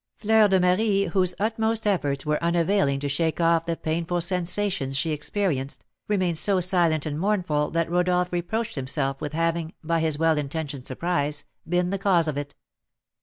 Fleur de Marie, whose utmost efforts were unavailing to shake off the painful sensations she experienced, remained so silent and mournful that Rodolph reproached himself with having, by his well intentioned surprise, been the cause of it.